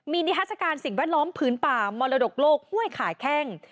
มีนิทัศกาลสิ่งแวดล้อมผืนป่ามรดกโลกห้วยขาแข้ง